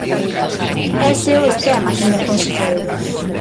¡Ese é o esquema, señor conselleiro!